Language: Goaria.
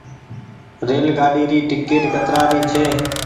ريل گآڏي ري ٽيڪٽ ڪترآ ري ڇي۔